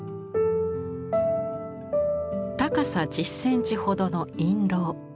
高さ１０センチほどの印籠。